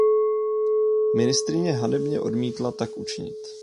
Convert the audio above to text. Ministryně hanebně odmítla tak učinit.